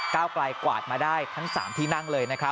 ก้าวไกลกวาดมาได้ทั้ง๓ที่นั่งเลยนะครับ